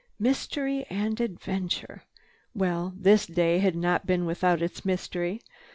Mystery and adventure. Well, this day had not been without its mystery.